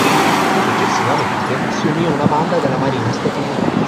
Successivamente si unì a una banda della marina statunitense.